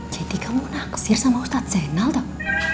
jadi kamu naksir sama ustaz zainal toh